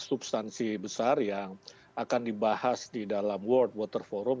substansi besar yang akan dibahas di dalam world water forum